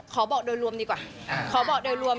บอกโดยรวมดีกว่าขอบอกโดยรวม